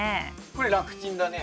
これ楽ちんだね。